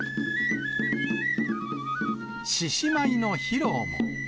獅子舞の披露も。